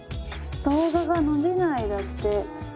「動画が伸びない」だって。